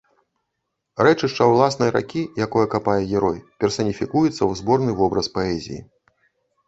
Рэчышча ўласнай ракі, якое капае герой, персаніфікуецца ў зборны вобраз паэзіі.